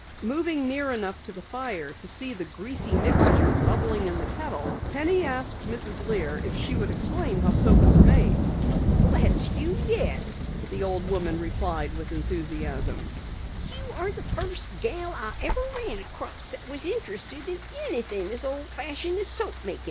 Moving near enough to the fire to see the greasy mixture bubbling in the kettle, Penny asked Mrs. Lear if she would explain how soap was made. "Bless you, yes," the old lady replied with enthusiasm. "You are the first gal I ever ran across that was interested in anything as old fashioned as soap makin'.